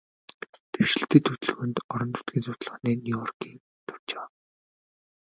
Дэвшилтэт хөдөлгөөнд, орон нутгийн судалгааны Нью-Йоркийн товчоо